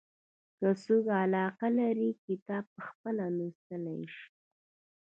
که څوک علاقه لري کتاب پخپله لوستلای شي.